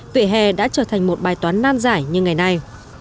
vệ hè đã trở thành một bài toán nan giải như ngày nay